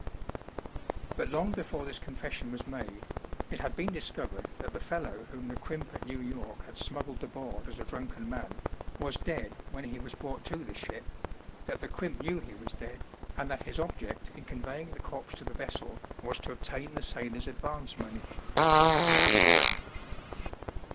But long before this confession was made, it had been discovered that the fellow, whom the crimp at New York had smuggled aboard as a drunken man, was dead when he was brought to the ship, that the crimp knew he was dead, and that his object in conveying the corpse to the vessel was to obtain the sailor's advance money.